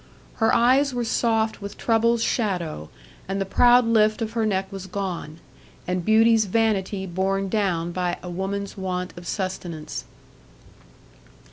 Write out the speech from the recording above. Her eyes were soft with trouble's shadow, and the proud lift of her neck was gone, and beauty's vanity borne down by woman's want of sustenance.